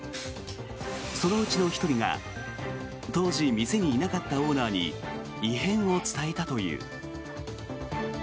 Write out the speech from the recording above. そのうちの１人が当時、店にいなかったオーナーに異変を伝えたという。